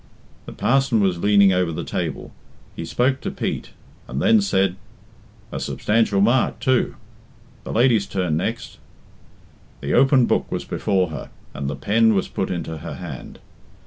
The parson was leaning over the table. He spoke to Pete, and then said, "A substantial mark, too. The lady's turn next." The open book was before her, and the pen was put into her hand.